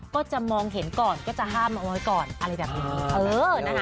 ก็จะมองเห็นก่อนก็จะห้ามเอาไว้ก่อนอะไรแบบนี้